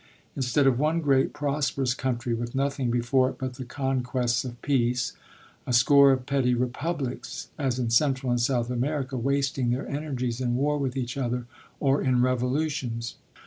Instead of one great, prosperous country with nothing before it but the conquests of peace, a score of petty republics, as in Central and South America, wasting their energies in war with each other or in revolutions."